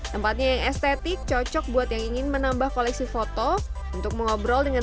tempatnya yang estetik cocok buat yang ingin menambah koleksi foto untuk mengobrol dengan